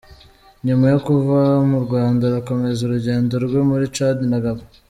Nyuma yo kuva mu Rwana arakomeza urugendo rwe muri Tchad na Gabon.